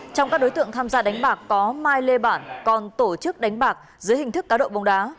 trong các đối tượng tham gia đánh bạc có mai lê bản còn tổ chức đánh bạc dưới hình thức cá độ bóng đá